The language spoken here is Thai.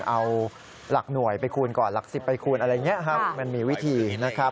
เอาหลักหน่วยไปคูณก่อนหลัก๑๐ไปคูณอะไรอย่างนี้ครับมันมีวิธีนะครับ